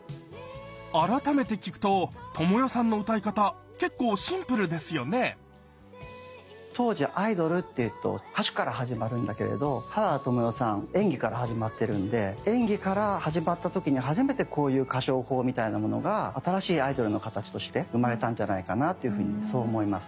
改めて聴くと知世さんの歌い方結構シンプルですよね当時アイドルっていうと歌手から始まるんだけれど原田知世さん演技から始まってるんで演技から始まった時に初めてこういう歌唱法みたいなものが新しいアイドルの形として生まれたんじゃないかなっていうふうにそう思います。